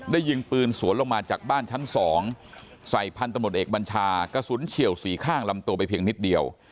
ยิงปืนสวนลงมาจากบ้านชั้น๒ใส่พันธมตเอกบัญชากระสุนเฉียวสีข้างลำตัวไปเพียงนิดเดียว